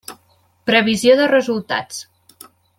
Previsió de resultats.